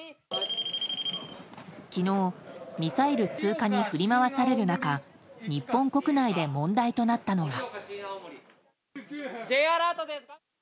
昨日、ミサイル通過に振り回される中日本国内で問題となったのが。